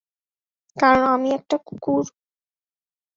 কারণ আমি একটা কুকুর?